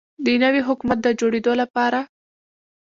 د نوي حکومت د جوړیدو لپاره